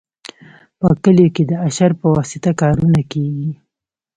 په کلیو کې د اشر په واسطه کارونه کیږي.